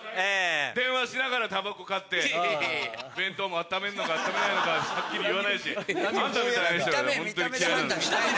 電話しながらタバコ買って弁当もあっためんのかあっためないのかはっきり言わないしあんたみたいな人がホントに嫌い。